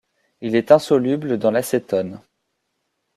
Il est insoluble dans l'acétone.